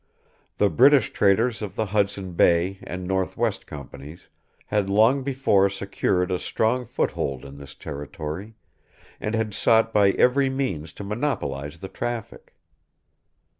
The British traders of the Hudson Bay and Northwest companies had long before secured a strong foothold in this territory, and had sought by every means to monopolize the traffic.